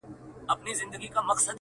ځكه وايي پردى كټ تر نيمو شپو دئ،،!